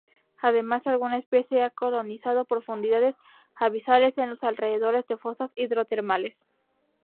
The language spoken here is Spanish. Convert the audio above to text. Además, alguna especie ha colonizado profundidades abisales en los alrededores de fosas hidrotermales.